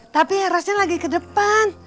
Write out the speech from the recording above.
tapi rasanya lagi ke depan